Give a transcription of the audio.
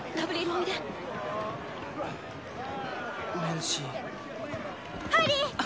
おいでメルシーハリー！